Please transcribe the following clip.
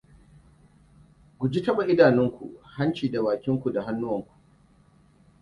Guji taɓa idanunku, hanci da bakinku da hannuwan ku.